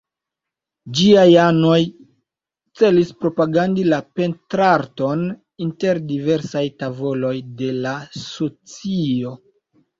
Ĝiaj anoj celis propagandi la pentrarton inter diversaj tavoloj de la socio.